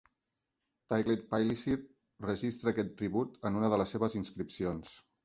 Tiglath-Pileser registra aquest tribut en una de les seves inscripcions.